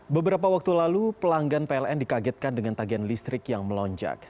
beberapa waktu lalu pelanggan pln dikagetkan dengan tagihan listrik yang melonjak